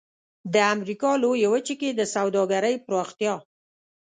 د امریکا لویې وچې کې د سوداګرۍ پراختیا.